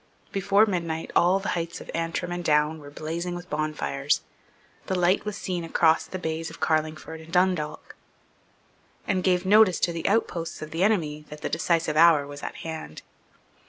Before midnight all the heights of Antrim and Down were blazing with bonfires. The light was seen across the bays of Carlingford and Dundalk, and gave notice to the outposts of the enemy that the decisive hour was at hand.